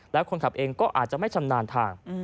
แล้วคนขับเองก็อาจจะไม่ชำนาญทาง